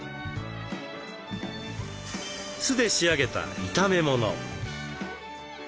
酢で仕上げた炒め物。